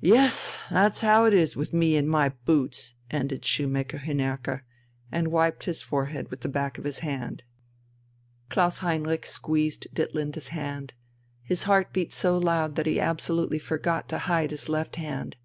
Yes, that's how it is with me and my boots!" ended Shoemaker Hinnerke, and wiped his forehead with the back of his hand. Klaus Heinrich squeezed Ditlinde's hand. His heart beat so loud that he absolutely forgot to hide his left hand.